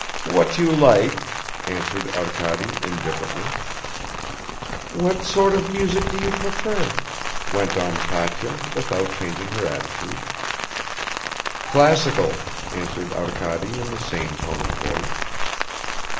"What you like," answered Arkady indifferently. "What sort of music do you prefer?" went on Katya, without changing her attitude. "Classical," answered Arkady in the same tone of voice.